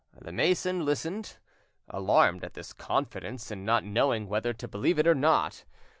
The mason listened, alarmed at this confidence, and not knowing whether to believe it or not.